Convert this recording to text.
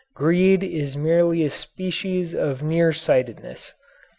Greed is merely a species of nearsightedness.